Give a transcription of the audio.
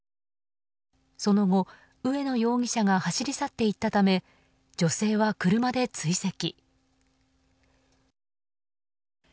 その後、上野容疑者が走り去っていったため女性は車で追跡。